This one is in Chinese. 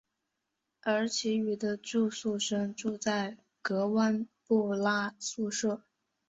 而其余的住宿生住在格湾布拉宿舍。